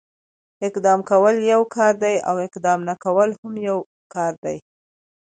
اقدام کول يو کار دی، اقدام نه کول هم يو کار دی.